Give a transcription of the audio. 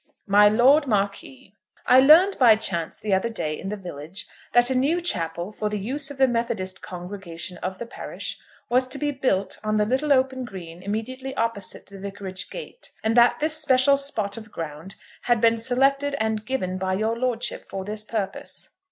MY LORD MARQUIS, I learned by chance the other day in the village that a new chapel for the use of the Methodist congregation of the parish was to be built on the little open green immediately opposite the Vicarage gate, and that this special spot of ground had been selected and given by your lordship for this purpose.